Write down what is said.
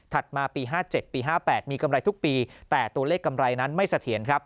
มาปี๕๗ปี๕๘มีกำไรทุกปีแต่ตัวเลขกำไรนั้นไม่เสถียรครับ